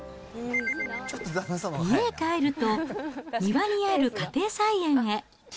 家へ帰ると、庭にある家庭菜園へ。